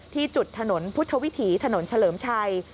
ที่จุดถนนพุทธวิถีถนนเฉลิมชัย